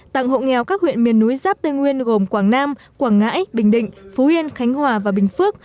tặng hộ nghèo các huyện miền núi giáp tây nguyên gồm quảng nam quảng ngãi bình định phú yên khánh hòa và bình phước